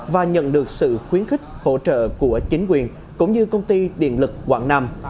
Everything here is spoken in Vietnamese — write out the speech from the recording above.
và nhận được sự khuyến khích hỗ trợ của chính quyền cũng như công ty điện lực quảng nam